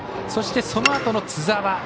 そして、そのあとの津澤。